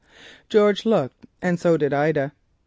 George looked and so did Ida.